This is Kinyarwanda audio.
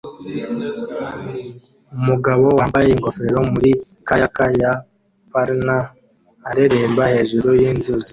Umugabo wambaye ingofero muri kayak ya Pyranha areremba hejuru yinzuzi